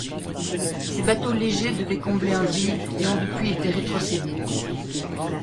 Ces bateaux légers devaient combler un vide et ont depuis été rétrocédé.